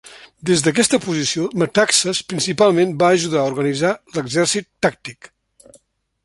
Des d'aquesta posició, Metaxas principalment va ajudar a organitzar l'exèrcit tàctic.